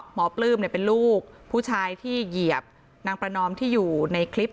ปลื้มเป็นลูกผู้ชายที่เหยียบนางประนอมที่อยู่ในคลิป